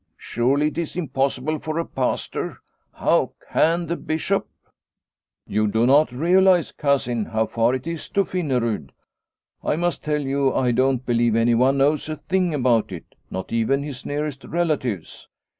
Surely, it is impossible for a pastor ? How can the bishop ?"" You do not realise, Cousin, how far it is to Finnerud. I must tell you I don't believe anyone knows a thing about it, not even his nearest relatives.